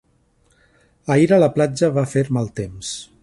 Ahir a la platja va fer mal temps.